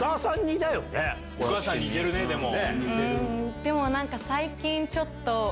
でも最近ちょっと。